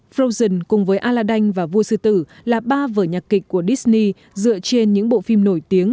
froson cùng với aladan và vua sư tử là ba vở nhạc kịch của disney dựa trên những bộ phim nổi tiếng